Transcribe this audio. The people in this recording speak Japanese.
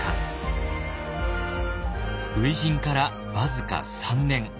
初陣から僅か３年。